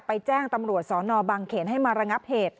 แจ้งตำรวจสนบางเขนให้มาระงับเหตุ